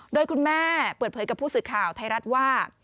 โดยคุณแม่เปิดเผยกับผู้สื่อข่าวไทยรัฐว่า